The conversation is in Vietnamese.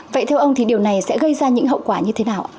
vậy theo ông thì điều này sẽ gây ra những hậu quả như thế nào ạ